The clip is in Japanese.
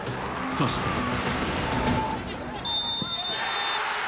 そして。